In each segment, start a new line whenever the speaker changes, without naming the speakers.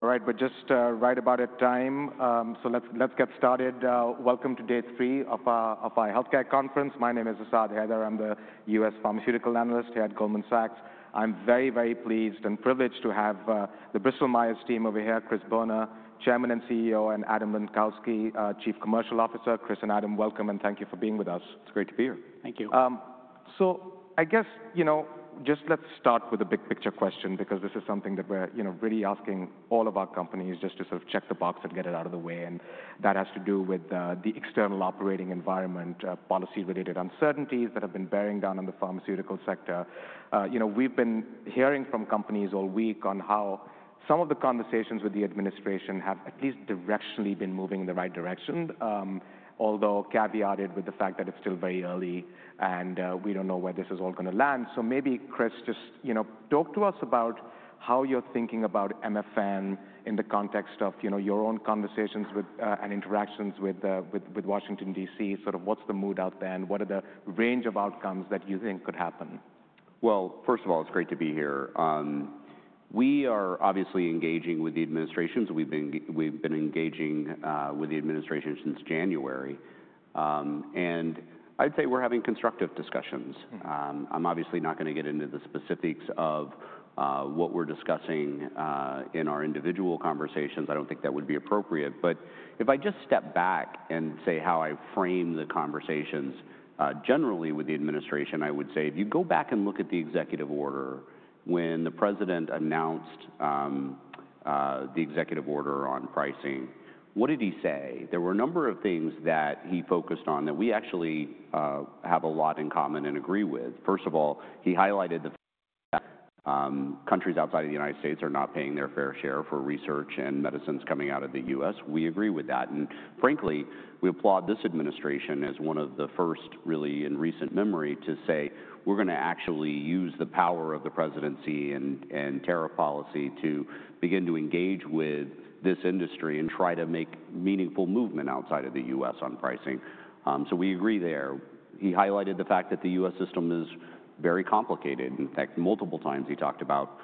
All right, we're just right about at time, so let's get started. Welcome to day three of our healthcare conference. My name is Asad Haider. I'm the US Pharmaceutical Analyst here at Goldman Sachs. I'm very, very pleased and privileged to have the Bristol-Myers team over here, Chris Boerner, Chairman and CEO, and Adam Lenkowsky, Chief Commercial Officer. Chris and Adam, welcome, and thank you for being with us. It's great to be here.
Thank you.
So I guess, you know, just let's start with a big picture question, because this is something that we're really asking all of our companies just to sort of check the box and get it out of the way. That has to do with the external operating environment, policy-related uncertainties that have been bearing down on the pharmaceutical sector. You know, we've been hearing from companies all week on how some of the conversations with the administration have at least directionally been moving in the right direction, although caveated with the fact that it's still very early and we don't know where this is all going to land. Maybe, Chris, just talk to us about how you're thinking about MFM in the context of your own conversations and interactions with Washington, DC. Sort of what's the mood out there and what are the range of outcomes that you think could happen?
First of all, it's great to be here. We are obviously engaging with the administration. We've been engaging with the administration since January. I'd say we're having constructive discussions. I'm obviously not going to get into the specifics of what we're discussing in our individual conversations. I don't think that would be appropriate. If I just step back and say how I frame the conversations generally with the administration, I would say, if you go back and look at the executive order, when the president announced the executive order on pricing, what did he say? There were a number of things that he focused on that we actually have a lot in common and agree with. First of all, he highlighted that countries outside of the United States are not paying their fair share for research and medicines coming out of the U.S. We agree with that. Frankly, we applaud this administration as one of the first, really, in recent memory to say, we're going to actually use the power of the presidency and tariff policy to begin to engage with this industry and try to make meaningful movement outside of the U.S. on pricing. We agree there. He highlighted the fact that the U.S. system is very complicated. In fact, multiple times he talked about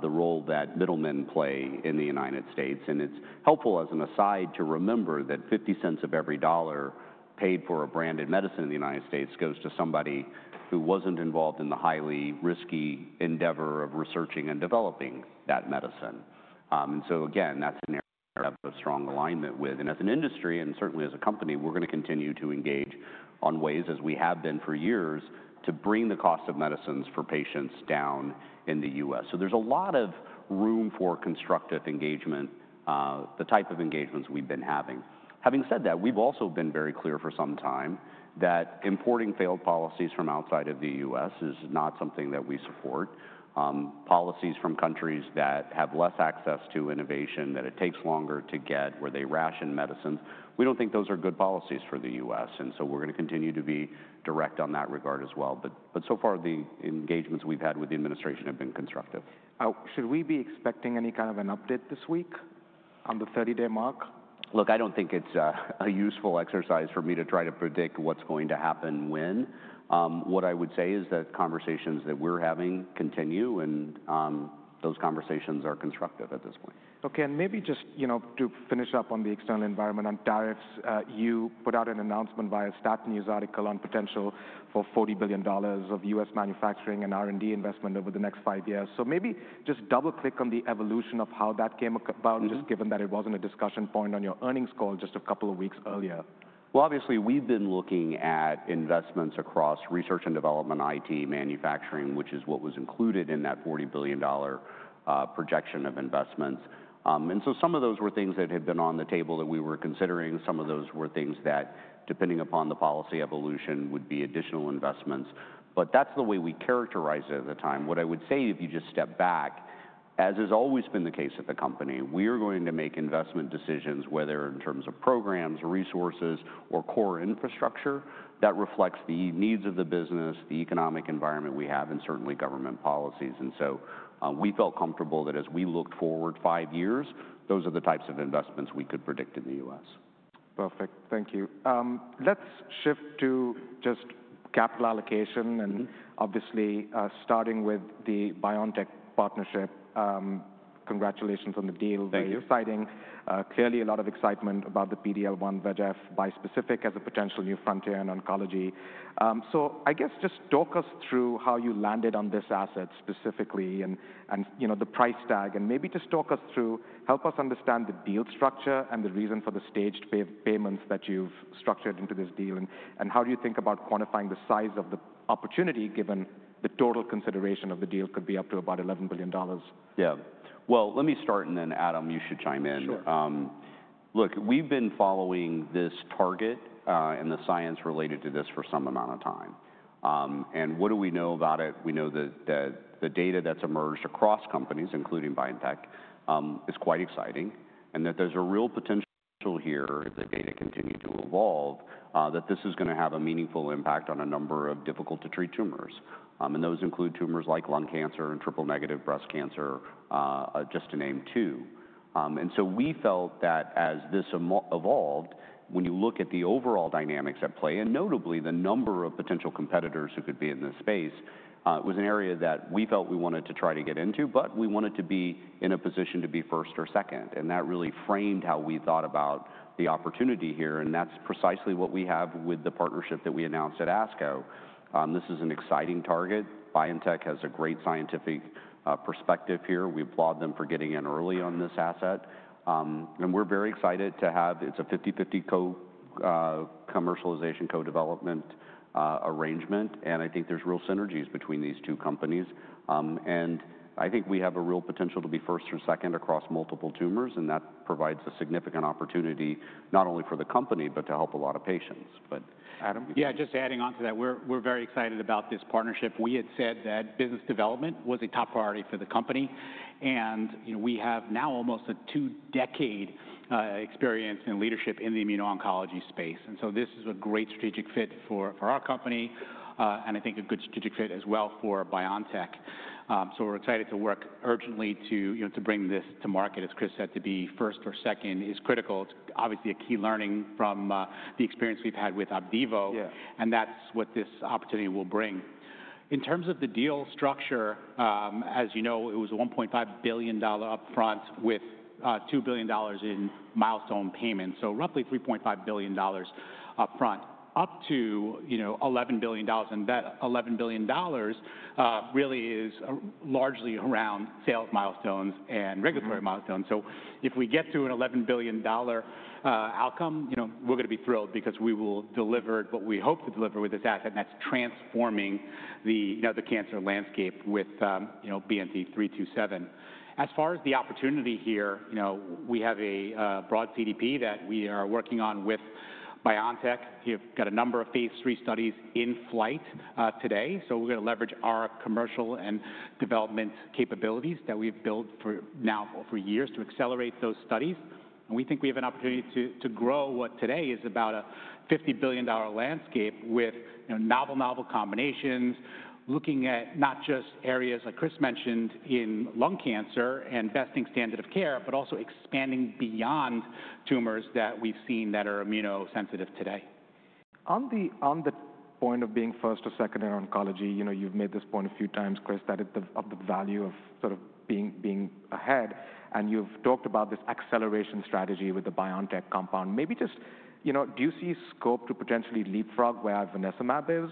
the role that middlemen play in the United States. It's helpful as an aside to remember that $0.50 of every dollar paid for a branded medicine in the United States goes to somebody who was not involved in the highly risky endeavor of researching and developing that medicine. Again, that's an area of strong alignment with. As an industry, and certainly as a company, we're going to continue to engage on ways, as we have been for years, to bring the cost of medicines for patients down in the U.S. There is a lot of room for constructive engagement, the type of engagements we've been having. Having said that, we've also been very clear for some time that importing failed policies from outside of the U.S. is not something that we support. Policies from countries that have less access to innovation, that it takes longer to get, where they ration medicines, we don't think those are good policies for the U.S. We are going to continue to be direct on that regard as well. So far, the engagements we've had with the administration have been constructive.
Should we be expecting any kind of an update this week on the 30-day mark?
Look, I do not think it is a useful exercise for me to try to predict what is going to happen when. What I would say is that conversations that we are having continue, and those conversations are constructive at this point.
OK, and maybe just to finish up on the external environment and tariffs, you put out an announcement via Stat News article on potential for $40 billion of US manufacturing and R&D investment over the next five years. Maybe just double-click on the evolution of how that came about, just given that it wasn't a discussion point on your earnings call just a couple of weeks earlier.
Obviously, we've been looking at investments across research and development, IT, manufacturing, which is what was included in that $40 billion projection of investments. Some of those were things that had been on the table that we were considering. Some of those were things that, depending upon the policy evolution, would be additional investments. That is the way we characterized it at the time. What I would say, if you just step back, as has always been the case at the company, we are going to make investment decisions, whether in terms of programs, resources, or core infrastructure, that reflects the needs of the business, the economic environment we have, and certainly government policies. We felt comfortable that as we looked forward five years, those are the types of investments we could predict in the U.S.
Perfect. Thank you. Let's shift to just capital allocation. Obviously, starting with the BioNTech partnership, congratulations on the deal.
Thank you.
Very exciting. Clearly, a lot of excitement about the PD-L1/VEGF bispecific as a potential new frontier in oncology. I guess just talk us through how you landed on this asset specifically and the price tag. Maybe just talk us through, help us understand the deal structure and the reason for the staged payments that you've structured into this deal. How do you think about quantifying the size of the opportunity, given the total consideration of the deal could be up to about $11 billion?
Yeah. Let me start, and then Adam, you should chime in.
Sure.
Look, we've been following this target and the science related to this for some amount of time. What do we know about it? We know that the data that's emerged across companies, including BioNTech, is quite exciting. There is a real potential here, if the data continue to evolve, that this is going to have a meaningful impact on a number of difficult-to-treat tumors. Those include tumors like lung cancer and triple-negative breast cancer, just to name two. We felt that as this evolved, when you look at the overall dynamics at play, and notably the number of potential competitors who could be in this space, it was an area that we felt we wanted to try to get into, but we wanted to be in a position to be first or second. That really framed how we thought about the opportunity here. That is precisely what we have with the partnership that we announced at ASCO. This is an exciting target. BioNTech has a great scientific perspective here. We applaud them for getting in early on this asset. We are very excited to have it as a 50/50 commercialization co-development arrangement. I think there are real synergies between these two companies. I think we have a real potential to be first or second across multiple tumors. That provides a significant opportunity, not only for the company, but to help a lot of patients.
Adam?
Yeah, just adding on to that, we're very excited about this partnership. We had said that business development was a top priority for the company. We have now almost a two-decade experience in leadership in the immuno-oncology space. This is a great strategic fit for our company, and I think a good strategic fit as well for BioNTech. We're excited to work urgently to bring this to market, as Chris said, to be first or second is critical. It's obviously a key learning from the experience we've had with OPDIVO. That's what this opportunity will bring. In terms of the deal structure, as you know, it was a $1.5 billion upfront with $2 billion in milestone payments, so roughly $3.5 billion upfront, up to $11 billion. That $11 billion really is largely around sales milestones and regulatory milestones. If we get to an $11 billion outcome, we're going to be thrilled because we will deliver what we hope to deliver with this asset, and that's transforming the cancer landscape with BNT327. As far as the opportunity here, we have a broad CDP that we are working on with BioNTech. We've got a number of phase three studies in flight today. We're going to leverage our commercial and development capabilities that we've built now for years to accelerate those studies. We think we have an opportunity to grow what today is about a $50 billion landscape with novel, novel combinations, looking at not just areas like Chris mentioned in lung cancer and besting standard of care, but also expanding beyond tumors that we've seen that are immunosensitive today.
On the point of being first or second in oncology, you've made this point a few times, Chris, that of the value of sort of being ahead. You've talked about this acceleration strategy with the BioNTech compound. Maybe just, do you see scope to potentially leapfrog where our venetoclax map is?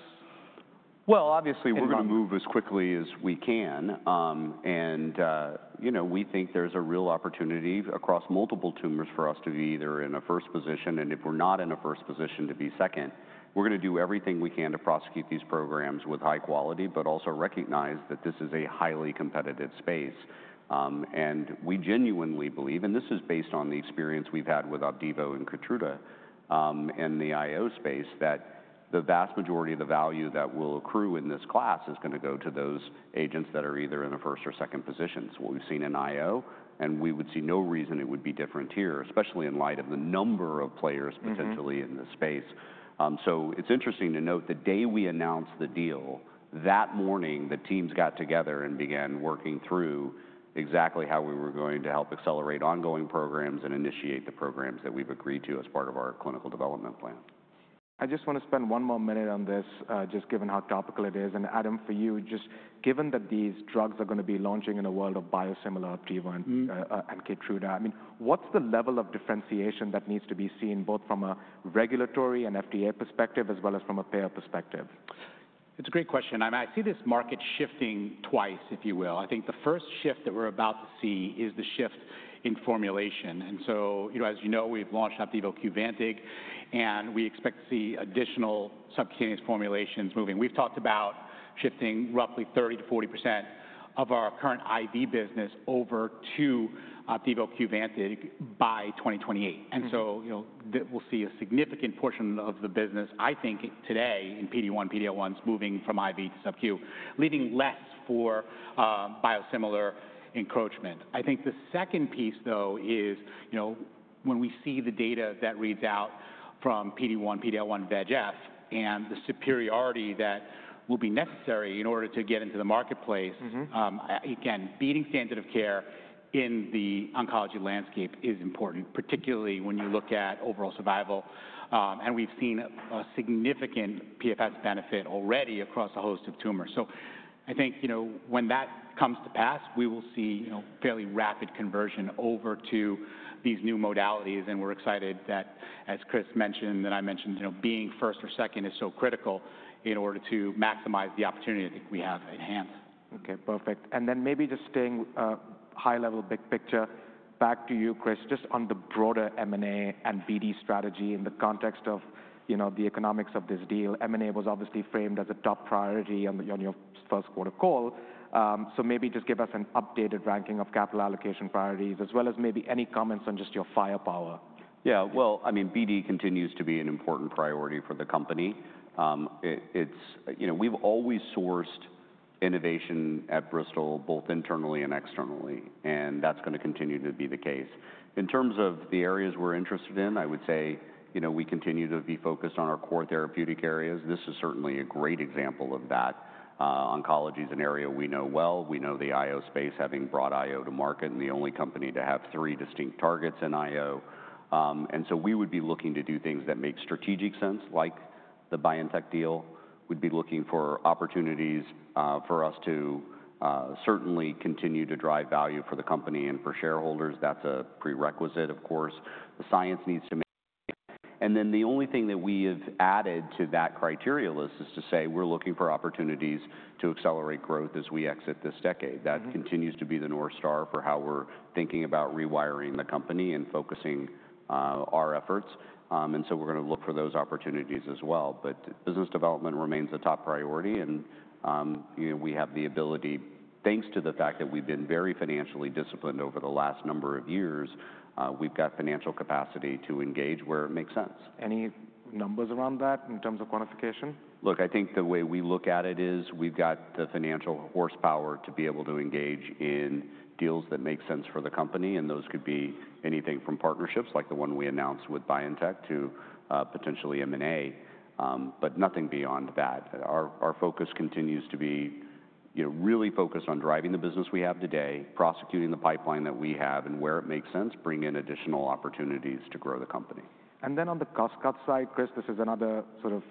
Obviously, we're going to move as quickly as we can. We think there's a real opportunity across multiple tumors for us to be either in a first position, and if we're not in a first position, to be second. We're going to do everything we can to prosecute these programs with high quality, but also recognize that this is a highly competitive space. We genuinely believe, and this is based on the experience we've had with OPDIVO and KEYTRUDA in the IO space, that the vast majority of the value that will accrue in this class is going to go to those agents that are either in a first or second position. It's what we've seen in IO, and we would see no reason it would be different here, especially in light of the number of players potentially in the space. It's interesting to note the day we announced the deal, that morning the teams got together and began working through exactly how we were going to help accelerate ongoing programs and initiate the programs that we've agreed to as part of our clinical development plan.
I just want to spend one more minute on this, just given how topical it is. Adam, for you, just given that these drugs are going to be launching in a world of biosimilar, OPDIVO and KEYTRUDA, I mean, what's the level of differentiation that needs to be seen, both from a regulatory and FDA perspective, as well as from a payer perspective?
It's a great question. I mean, I see this market shifting twice, if you will. I think the first shift that we're about to see is the shift in formulation. As you know, we've launched OPTIVO Qvantig, and we expect to see additional subcutaneous formulations moving. We've talked about shifting roughly 30%-40% of our current IV business over to OPTIVO Qvantig by 2028. We'll see a significant portion of the business, I think today, in PD-1, PD-L1s, moving from IV to subcu, leaving less for biosimilar encroachment. I think the second piece, though, is when we see the data that reads out from PD-1, PD-L1, VEGF, and the superiority that will be necessary in order to get into the marketplace. Again, beating standard of care in the oncology landscape is important, particularly when you look at overall survival. We've seen a significant PFS benefit already across a host of tumors. I think when that comes to pass, we will see fairly rapid conversion over to these new modalities. We're excited that, as Chris mentioned, and I mentioned, being first or second is so critical in order to maximize the opportunity I think we have at hand.
OK, perfect. Maybe just staying high level, big picture, back to you, Chris, just on the broader M&A and BD strategy in the context of the economics of this deal. M&A was obviously framed as a top priority on your first quarter call. Maybe just give us an updated ranking of capital allocation priorities, as well as maybe any comments on just your firepower.
Yeah, I mean, BD continues to be an important priority for the company. We've always sourced innovation at Bristol, both internally and externally. That's going to continue to be the case. In terms of the areas we're interested in, I would say we continue to be focused on our core therapeutic areas. This is certainly a great example of that. Oncology is an area we know well. We know the IO space, having brought IO to market, and the only company to have three distinct targets in IO. We would be looking to do things that make strategic sense, like the BioNTech deal. We'd be looking for opportunities for us to certainly continue to drive value for the company and for shareholders. That's a prerequisite, of course. The science needs to make. The only thing that we have added to that criteria list is to say we're looking for opportunities to accelerate growth as we exit this decade. That continues to be the North Star for how we're thinking about rewiring the company and focusing our efforts. We are going to look for those opportunities as well. Business development remains a top priority. We have the ability, thanks to the fact that we've been very financially disciplined over the last number of years, we've got financial capacity to engage where it makes sense.
Any numbers around that in terms of quantification?
Look, I think the way we look at it is we've got the financial horsepower to be able to engage in deals that make sense for the company. Those could be anything from partnerships, like the one we announced with BioNTech, to potentially M&A, but nothing beyond that. Our focus continues to be really focused on driving the business we have today, prosecuting the pipeline that we have, and where it makes sense, bringing in additional opportunities to grow the company.
On the cost-cut side, Chris, this is another sort of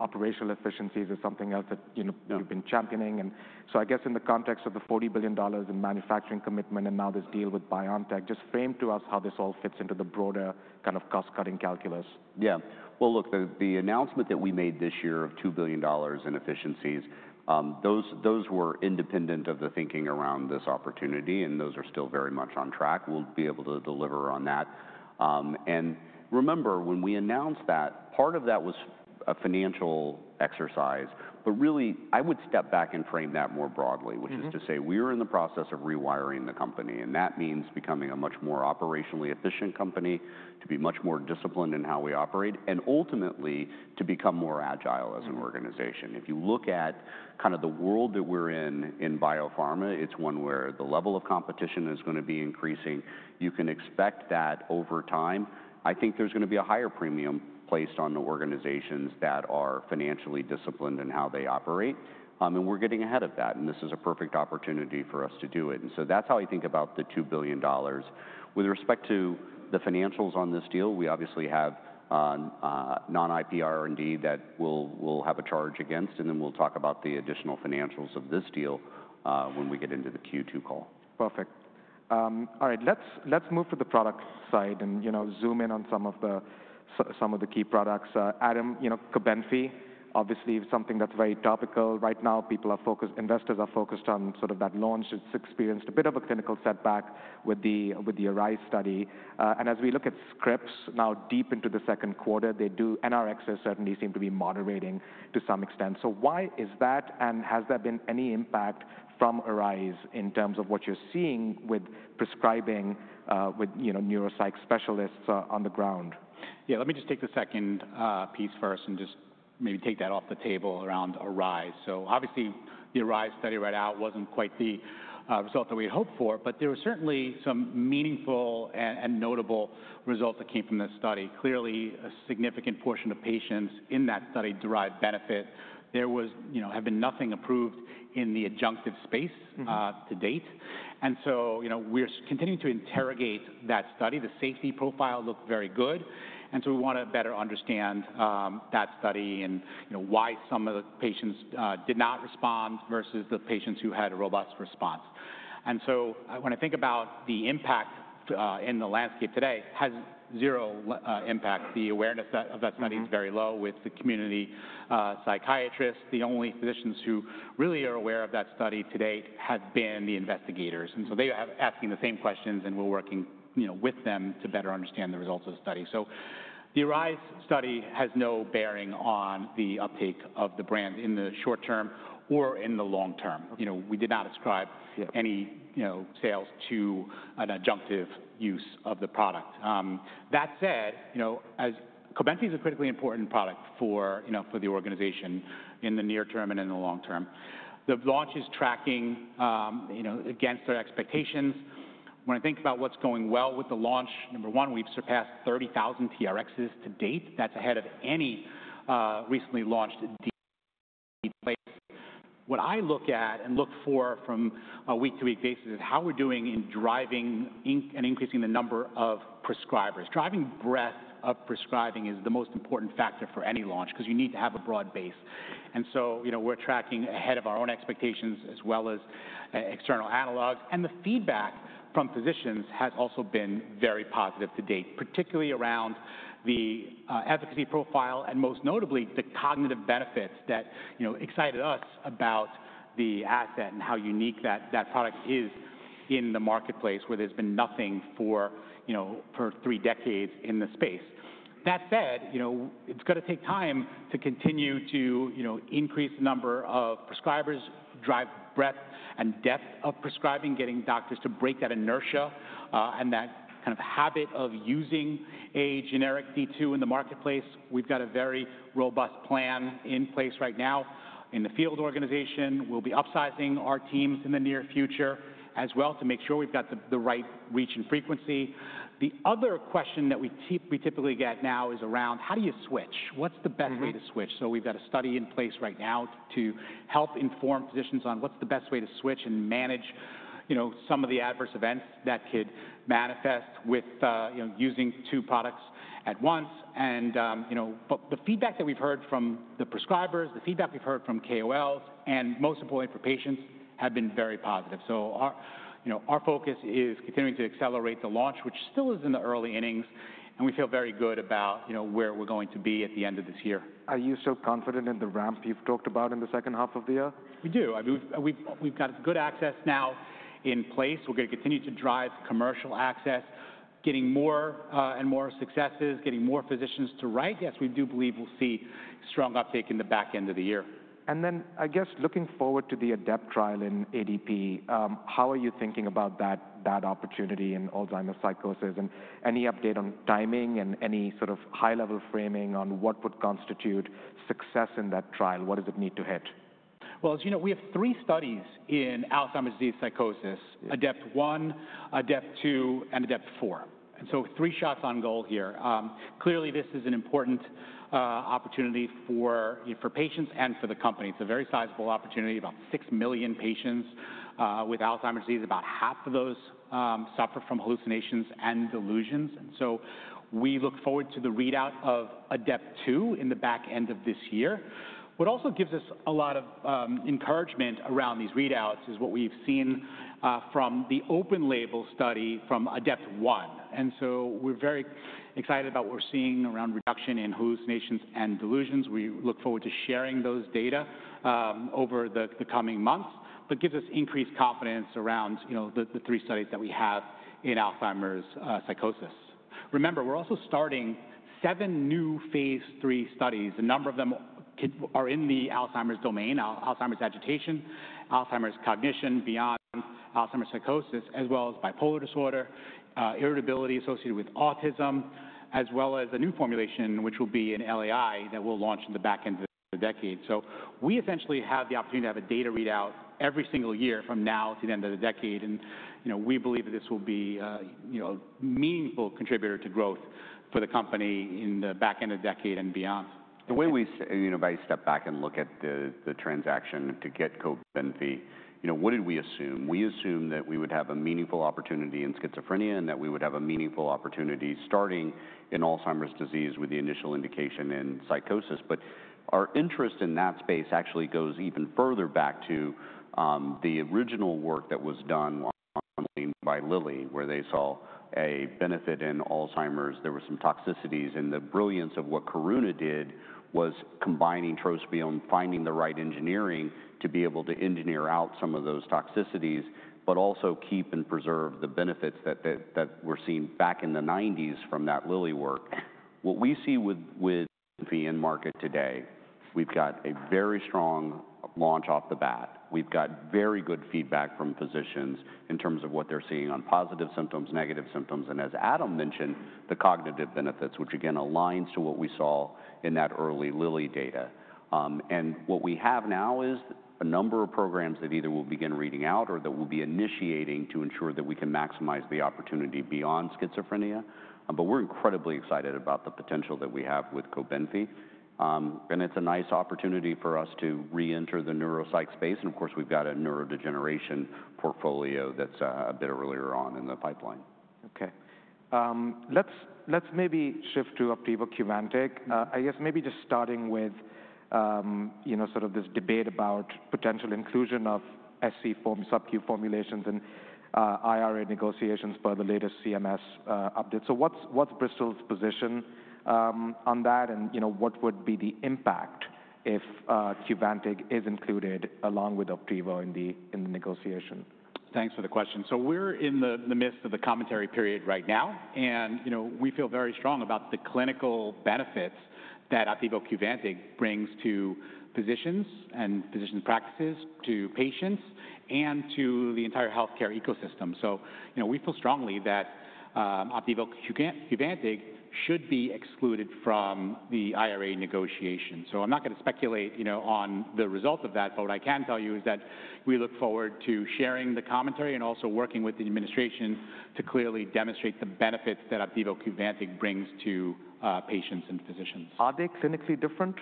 operational efficiencies or something else that you've been championing. I guess in the context of the $40 billion in manufacturing commitment and now this deal with BioNTech, just frame to us how this all fits into the broader kind of cost-cutting calculus.
Yeah. Look, the announcement that we made this year of $2 billion in efficiencies, those were independent of the thinking around this opportunity. Those are still very much on track. We'll be able to deliver on that. Remember, when we announced that, part of that was a financial exercise. I would step back and frame that more broadly, which is to say we are in the process of rewiring the company. That means becoming a much more operationally efficient company, to be much more disciplined in how we operate, and ultimately to become more agile as an organization. If you look at kind of the world that we're in in biopharma, it's one where the level of competition is going to be increasing. You can expect that over time. I think there's going to be a higher premium placed on the organizations that are financially disciplined in how they operate. We're getting ahead of that. This is a perfect opportunity for us to do it. That's how I think about the $2 billion. With respect to the financials on this deal, we obviously have non-IPR and D that we'll have a charge against. We'll talk about the additional financials of this deal when we get into the Q2 call.
Perfect. All right, let's move to the product side and zoom in on some of the key products. Adam, COBENFY, obviously something that's very topical right now. Investors are focused on sort of that launch. It's experienced a bit of a clinical setback with the ARISE study. As we look at Scripps now deep into the second quarter, the new prescriptions certainly seem to be moderating to some extent. Why is that? Has there been any impact from ARISE in terms of what you're seeing with prescribing with neuropsych specialists on the ground?
Yeah, let me just take the second piece first and just maybe take that off the table around ARISE. Obviously, the ARISE study right out was not quite the result that we had hoped for. There were certainly some meaningful and notable results that came from this study. Clearly, a significant portion of patients in that study derived benefit. There had been nothing approved in the adjunctive space to date. We are continuing to interrogate that study. The safety profile looked very good. We want to better understand that study and why some of the patients did not respond versus the patients who had a robust response. When I think about the impact in the landscape today, it has zero impact. The awareness of that study is very low with the community psychiatrists. The only physicians who really are aware of that study to date have been the investigators. They are asking the same questions, and we're working with them to better understand the results of the study. The ARISE study has no bearing on the uptake of the brand in the short term or in the long term. We did not ascribe any sales to an adjunctive use of the product. That said, COBENFY is a critically important product for the organization in the near term and in the long term. The launch is tracking against our expectations. When I think about what's going well with the launch, number one, we've surpassed 30,000 TRX to date. That's ahead of any recently launched place. What I look at and look for from a week-to-week basis is how we're doing in driving and increasing the number of prescribers. Driving breadth of prescribing is the most important factor for any launch because you need to have a broad base. We're tracking ahead of our own expectations as well as external analogs. The feedback from physicians has also been very positive to date, particularly around the efficacy profile and most notably the cognitive benefits that excited us about the asset and how unique that product is in the marketplace where there's been nothing for three decades in the space. That said, it's going to take time to continue to increase the number of prescribers, drive breadth and depth of prescribing, getting doctors to break that inertia and that kind of habit of using a generic D2 in the marketplace. We've got a very robust plan in place right now in the field organization. We'll be upsizing our teams in the near future as well to make sure we've got the right reach and frequency. The other question that we typically get now is around how do you switch? What's the best way to switch? We've got a study in place right now to help inform physicians on what's the best way to switch and manage some of the adverse events that could manifest with using two products at once. The feedback that we've heard from the prescribers, the feedback we've heard from KOLs, and most importantly for patients have been very positive. Our focus is continuing to accelerate the launch, which still is in the early innings. We feel very good about where we're going to be at the end of this year.
Are you still confident in the ramp you've talked about in the second half of the year?
We do. We've got good access now in place. We're going to continue to drive commercial access, getting more and more successes, getting more physicians to write. Yes, we do believe we'll see strong uptake in the back end of the year.
I guess looking forward to the ADEPT trial in ADP, how are you thinking about that opportunity in Alzheimer's psychosis? Any update on timing and any sort of high-level framing on what would constitute success in that trial? What does it need to hit?
As you know, we have three studies in Alzheimer's disease psychosis: ADEPT 1, ADEPT 2, and ADEPT 4. Three shots on goal here. Clearly, this is an important opportunity for patients and for the company. It's a very sizable opportunity, about six million patients with Alzheimer's disease. About half of those suffer from hallucinations and delusions. We look forward to the readout of ADEPT 2 in the back end of this year. What also gives us a lot of encouragement around these readouts is what we've seen from the open label study from ADEPT 1. We're very excited about what we're seeing around reduction in hallucinations and delusions. We look forward to sharing those data over the coming months. It gives us increased confidence around the three studies that we have in Alzheimer's psychosis. Remember, we're also starting seven new phase three studies. A number of them are in the Alzheimer's domain: Alzheimer's agitation, Alzheimer's cognition, beyond Alzheimer's psychosis, as well as bipolar disorder, irritability associated with autism, as well as a new formulation, which will be an LAI that we'll launch in the back end of the decade. We essentially have the opportunity to have a data readout every single year from now to the end of the decade. We believe that this will be a meaningful contributor to growth for the company in the back end of the decade and beyond.
The way we step back and look at the transaction to get COBENFY, what did we assume? We assumed that we would have a meaningful opportunity in schizophrenia and that we would have a meaningful opportunity starting in Alzheimer's disease with the initial indication in psychosis. Our interest in that space actually goes even further back to the original work that was done by Lilly, where they saw a benefit in Alzheimer's. There were some toxicities. The brilliance of what Karuna did was combining Trospium and finding the right engineering to be able to engineer out some of those toxicities, but also keep and preserve the benefits that were seen back in the 1990s from that Lilly work. What we see with COBENFY in market today, we've got a very strong launch off the bat. We've got very good feedback from physicians in terms of what they're seeing on positive symptoms, negative symptoms, and as Adam mentioned, the cognitive benefits, which again aligns to what we saw in that early Lilly data. What we have now is a number of programs that either will begin reading out or that will be initiating to ensure that we can maximize the opportunity beyond schizophrenia. We're incredibly excited about the potential that we have with COBENFY. It's a nice opportunity for us to reenter the neuropsych space. Of course, we've got a neurodegeneration portfolio that's a bit earlier on in the pipeline.
OK. Let's maybe shift to OPTIVO Qvantig. I guess maybe just starting with sort of this debate about potential inclusion of SubQ formulations in IRA negotiations by the latest CMS updates. What's Bristol's position on that? What would be the impact if Qvantig is included along with OPTIVO in the negotiation?
Thanks for the question. We're in the midst of the commentary period right now. We feel very strong about the clinical benefits that OPTIVO Qvantig brings to physicians and physician practices, to patients, and to the entire health care ecosystem. We feel strongly that OPTIVO Qvantig should be excluded from the IRA negotiation. I'm not going to speculate on the result of that. What I can tell you is that we look forward to sharing the commentary and also working with the administration to clearly demonstrate the benefits that OPTIVO Qvantig brings to patients and physicians.
Are they clinically different?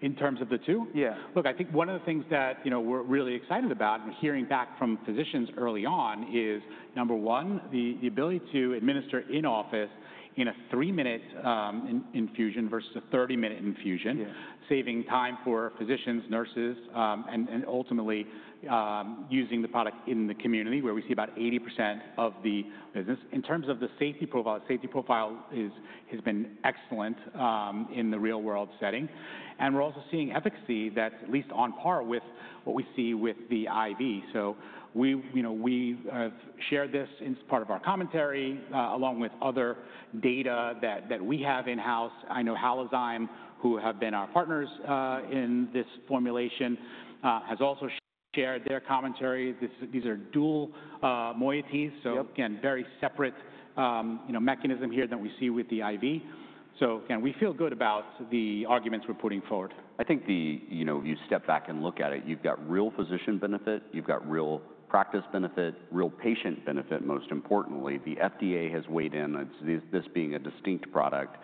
In terms of the two?
Yeah.
Look, I think one of the things that we're really excited about and hearing back from physicians early on is, number one, the ability to administer in office in a three-minute infusion versus a 30-minute infusion, saving time for physicians, nurses, and ultimately using the product in the community where we see about 80% of the business. In terms of the safety profile, the safety profile has been excellent in the real-world setting. We're also seeing efficacy that's at least on par with what we see with the IV. We have shared this in part of our commentary along with other data that we have in-house. I know Halozyme, who have been our partners in this formulation, has also shared their commentary. These are dual moieties. Again, very separate mechanism here that we see with the IV. Again, we feel good about the arguments we're putting forward.
I think if you step back and look at it, you've got real physician benefit. You've got real practice benefit, real patient benefit, most importantly. The FDA has weighed in, this being a distinct product.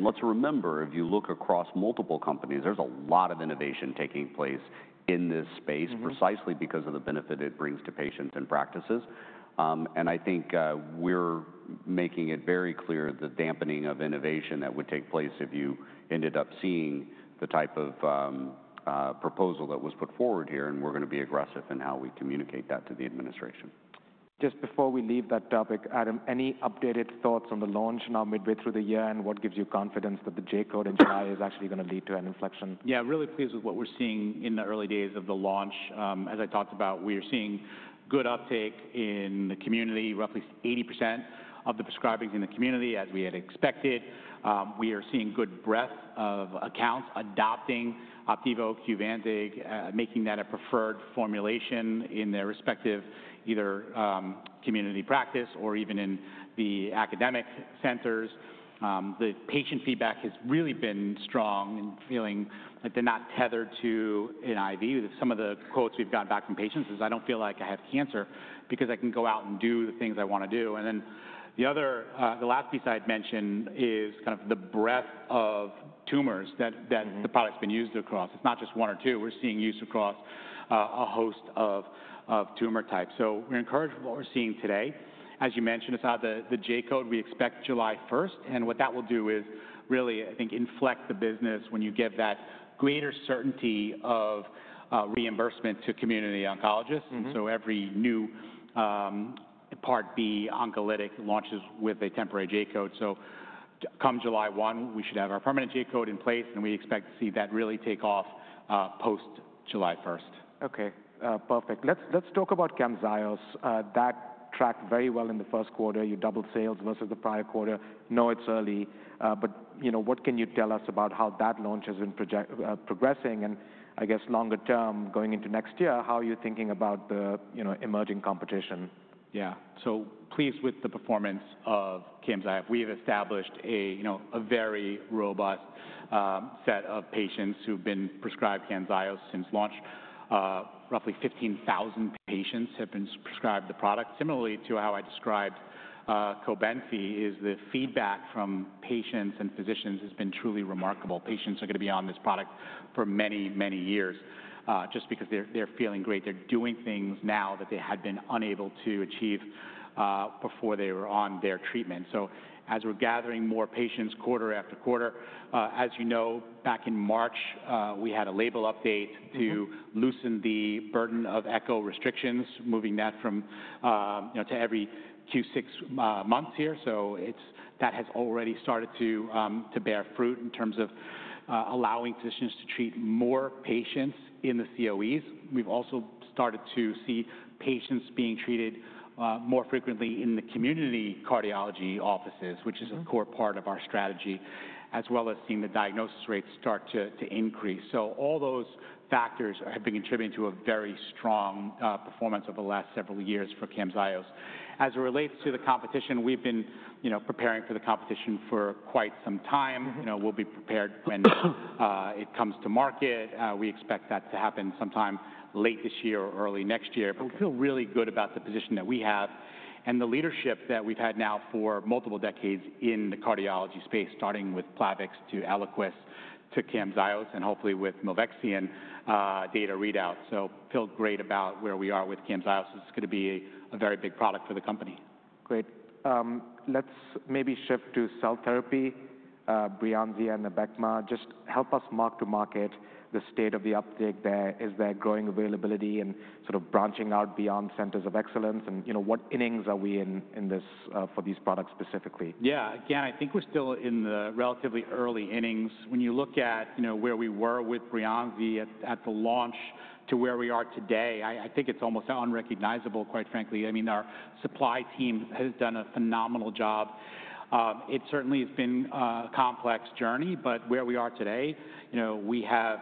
Let's remember, if you look across multiple companies, there's a lot of innovation taking place in this space precisely because of the benefit it brings to patients and practices. I think we're making it very clear the dampening of innovation that would take place if you ended up seeing the type of proposal that was put forward here. We're going to be aggressive in how we communicate that to the administration.
Just before we leave that topic, Adam, any updated thoughts on the launch now midway through the year? What gives you confidence that the J-code in July is actually going to lead to an inflection?
Yeah, I'm really pleased with what we're seeing in the early days of the launch. As I talked about, we are seeing good uptake in the community, roughly 80% of the prescribers in the community, as we had expected. We are seeing good breadth of accounts adopting OPTIVO Qvantig, making that a preferred formulation in their respective either community practice or even in the academic centers. The patient feedback has really been strong and feeling that they're not tethered to an IV. Some of the quotes we've got back from patients is, "I don't feel like I have cancer because I can go out and do the things I want to do." The last piece I'd mention is kind of the breadth of tumors that the product's been used across. It's not just one or two. We're seeing use across a host of tumor types. We're encouraged with what we're seeing today. As you mentioned, it's out of the J-code. We expect July 1. What that will do is really, I think, inflect the business when you give that greater certainty of reimbursement to community oncologists. Every new part B oncolytic launches with a temporary J-code. Come July 1, we should have our permanent J-code in place. We expect to see that really take off post July 1.
OK, perfect. Let's talk about CAMZYOS. That tracked very well in the first quarter. You doubled sales versus the prior quarter. I know it's early. What can you tell us about how that launch has been progressing? I guess longer term, going into next year, how are you thinking about the emerging competition?
Yeah, so pleased with the performance of CAMZYOS. We have established a very robust set of patients who've been prescribed CAMZYOS since launch. Roughly 15,000 patients have been prescribed the product. Similarly to how I described COBENFY, the feedback from patients and physicians has been truly remarkable. Patients are going to be on this product for many, many years just because they're feeling great. They're doing things now that they had been unable to achieve before they were on their treatment. As we're gathering more patients quarter after quarter, as you know, back in March, we had a label update to loosen the burden of ECHO restrictions, moving that to every Q6 months here. That has already started to bear fruit in terms of allowing physicians to treat more patients in the COEs. We've also started to see patients being treated more frequently in the community cardiology offices, which is a core part of our strategy, as well as seeing the diagnosis rates start to increase. All those factors have been contributing to a very strong performance over the last several years for CAMZYOS. As it relates to the competition, we've been preparing for the competition for quite some time. We'll be prepared when it comes to market. We expect that to happen sometime late this year or early next year. We feel really good about the position that we have and the leadership that we've had now for multiple decades in the cardiology space, starting with Plavix to Eliquis to CAMZYOS and hopefully with Milvexian data readout. I feel great about where we are with CAMZYOS. It's going to be a very big product for the company.
Great. Let's maybe shift to cell therapy. Breyanzi and Abecma, just help us mark to market the state of the uptake. Is there growing availability and sort of branching out beyond centers of excellence? What innings are we in for these products specifically?
Yeah, again, I think we're still in the relatively early innings. When you look at where we were with Breyanzi at the launch to where we are today, I think it's almost unrecognizable, quite frankly. I mean, our supply team has done a phenomenal job. It certainly has been a complex journey. Where we are today, we have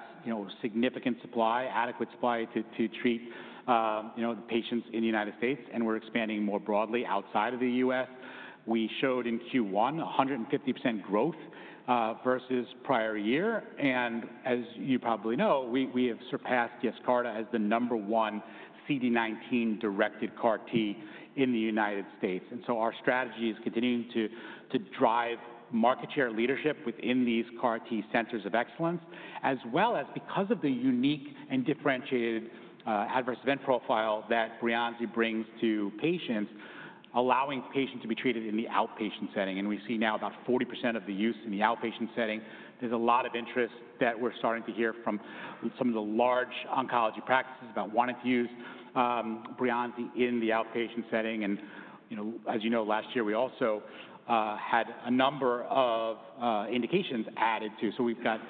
significant supply, adequate supply to treat the patients in the United States. We are expanding more broadly outside of the U.S. We showed in Q1 150% growth versus prior year. As you probably know, we have surpassed YESCARTA as the number one CD19 directed CAR-T in the United States. Our strategy is continuing to drive market share leadership within these CAR-T centers of excellence, as well as because of the unique and differentiated adverse event profile that Breyanzi brings to patients, allowing patients to be treated in the outpatient setting. We see now about 40% of the use in the outpatient setting. There is a lot of interest that we are starting to hear from some of the large oncology practices about wanting to use Breyanzi in the outpatient setting. As you know, last year, we also had a number of indications added too. We have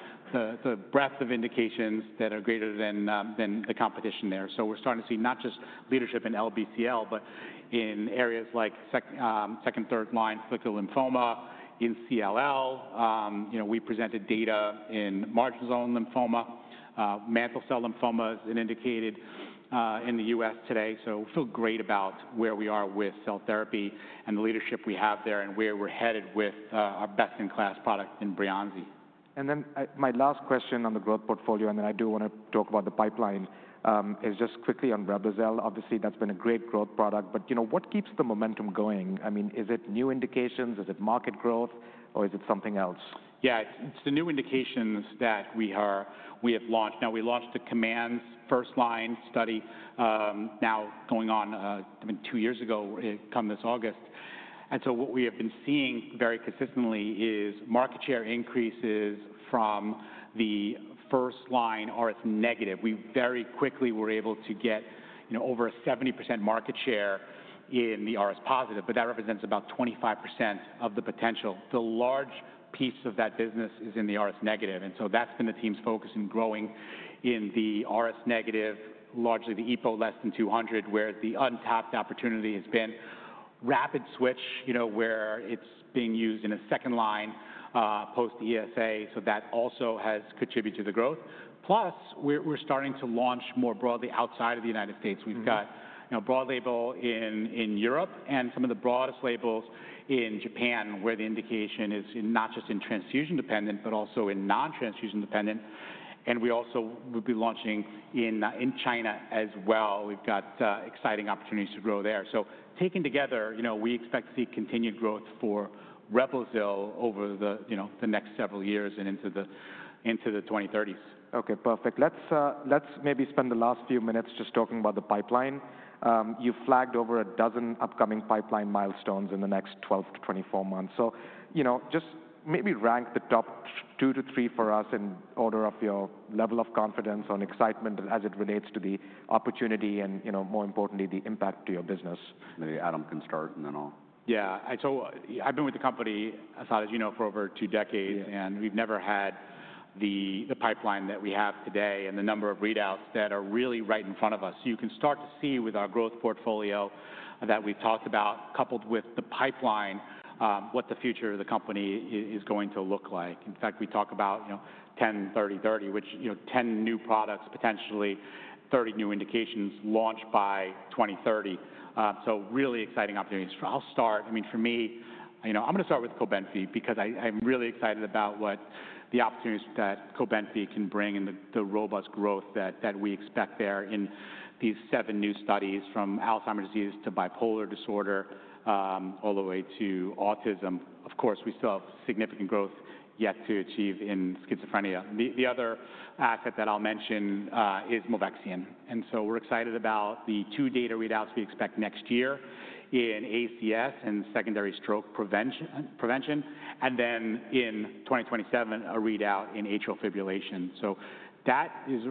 the breadth of indications that are greater than the competition there. We are starting to see not just leadership in LBCL, but in areas like second, third line follicular lymphoma, in CLL. We presented data in marginal zone lymphoma. Mantle cell lymphoma is an indicated in the U.S. today. So we feel great about where we are with cell therapy and the leadership we have there and where we're headed with our best-in-class product in Breyanzi.
My last question on the growth portfolio, and then I do want to talk about the pipeline, is just quickly on Reblozyl. Obviously, that's been a great growth product. What keeps the momentum going? I mean, is it new indications? Is it market growth? Or is it something else?
Yeah, it's the new indications that we have launched. Now, we launched a commands first line study now going on two years ago come this August. What we have been seeing very consistently is market share increases from the first line RS negative. We very quickly were able to get over 70% market share in the RS positive. That represents about 25% of the potential. The large piece of that business is in the RS negative. That's been the team's focus in growing in the RS negative, largely the EPO less than 200, where the untapped opportunity has been rapid switch, where it's being used in a second line post ESA. That also has contributed to the growth. Plus, we're starting to launch more broadly outside of the United States. We've got broad label in Europe and some of the broadest labels in Japan, where the indication is not just in transfusion dependent, but also in non-transfusion dependent. We also will be launching in China as well. We've got exciting opportunities to grow there. Taken together, we expect to see continued growth for Reblozyl over the next several years and into the 2030s.
OK, perfect. Let's maybe spend the last few minutes just talking about the pipeline. You've flagged over a dozen upcoming pipeline milestones in the next 12 to 24 months. Just maybe rank the top two to three for us in order of your level of confidence on excitement as it relates to the opportunity and, more importantly, the impact to your business.
Maybe Adam can start and then I'll.
Yeah, so I've been with the company, as you know, for over two decades. And we've never had the pipeline that we have today and the number of readouts that are really right in front of us. You can start to see with our growth portfolio that we've talked about, coupled with the pipeline, what the future of the company is going to look like. In fact, we talk about 10-30-30, which 10 new products, potentially 30 new indications launched by 2030. Really exciting opportunities. I'll start. I mean, for me, I'm going to start with COBENFY because I'm really excited about what the opportunities that COBENFY can bring and the robust growth that we expect there in these seven new studies from Alzheimer's disease to bipolar disorder all the way to autism. Of course, we still have significant growth yet to achieve in schizophrenia. The other asset that I'll mention is Milvexian. We're excited about the two data readouts we expect next year in ACS and secondary stroke prevention. In 2027, a readout in atrial fibrillation. That is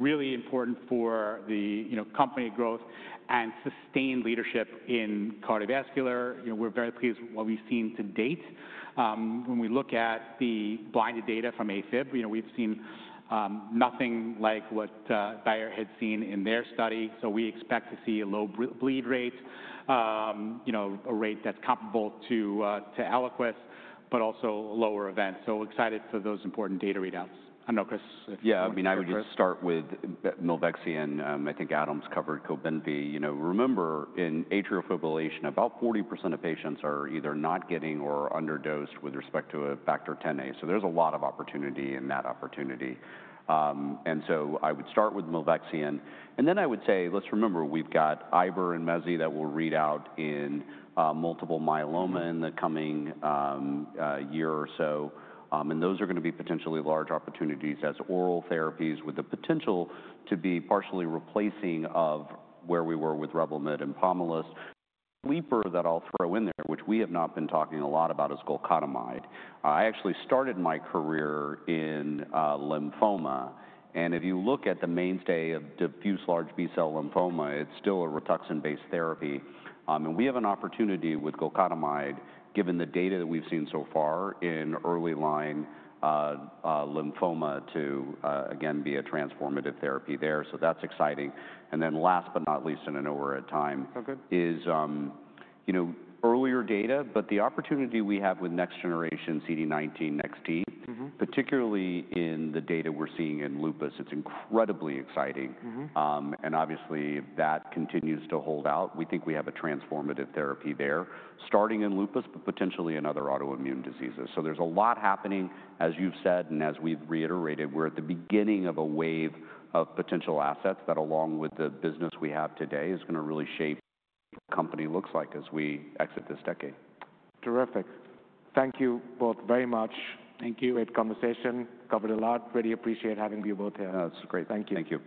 really important for the company growth and sustained leadership in cardiovascular. We're very pleased with what we've seen to date. When we look at the blinded data from AFib, we've seen nothing like what Daiichi had seen in their study. We expect to see a low bleed rate, a rate that's comparable to Eliquis, but also lower events. Excited for those important data readouts. I don't know, Chris.
Yeah, I mean, I would just start with Milvexian. I think Adam's covered COBENFY. Remember, in atrial fibrillation, about 40% of patients are either not getting or underdosed with respect to a factor Xa. So there's a lot of opportunity in that opportunity. I would start with Milvexian. I would say, let's remember, we've got IBER and MEZI that will read out in multiple myeloma in the coming year or so. Those are going to be potentially large opportunities as oral therapies with the potential to be partially replacing of where we were with Revlimid and Pomalyst. Sleeper that I'll throw in there, which we have not been talking a lot about, is glofitamab. I actually started my career in lymphoma. If you look at the mainstay of diffuse large B-cell lymphoma, it's still a rituximab-based therapy. We have an opportunity with glucotamide, given the data that we've seen so far in early line lymphoma, to again be a transformative therapy there. That is exciting. Last but not least, and I know we're at time, is earlier data. The opportunity we have with next generation CD19XT, particularly in the data we're seeing in lupus, is incredibly exciting. Obviously, that continues to hold out. We think we have a transformative therapy there, starting in lupus, but potentially in other autoimmune diseases. There is a lot happening, as you've said. As we've reiterated, we're at the beginning of a wave of potential assets that, along with the business we have today, is going to really shape what the company looks like as we exit this decade.
Terrific. Thank you both very much.
Thank you.
Great conversation. Covered a lot. Really appreciate having you both here.
No, it's great. Thank you.
Thank you.